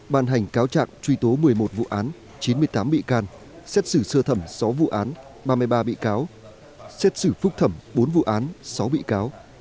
ban hành cáo trạng truy tố một mươi một vụ án chín mươi tám bị can xét xử sơ thẩm sáu vụ án ba mươi ba bị cáo xét xử phúc thẩm bốn vụ án sáu bị cáo